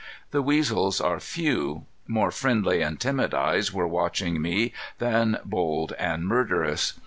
The weasels are few. More friendly and timid eyes were watching me than bold and murderous.